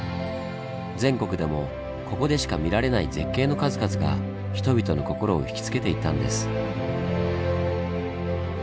全国でもここでしか見られない絶景の数々が人々の心をひきつけていったんです。